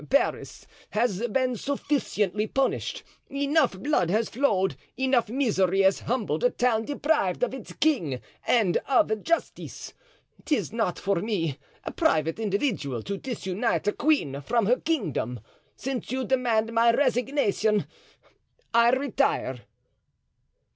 Paris has been sufficiently punished; enough blood has flowed, enough misery has humbled a town deprived of its king and of justice. 'Tis not for me, a private individual, to disunite a queen from her kingdom. Since you demand my resignation, I retire."